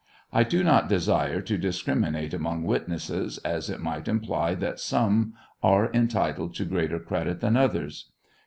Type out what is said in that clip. I do not desire to discriminate among witnesses, as it might ' imply that some are entitled to greater credit than others.